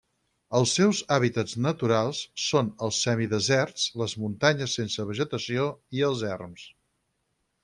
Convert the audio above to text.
Els seus hàbitats naturals són els semideserts, les muntanyes sense vegetació i els erms.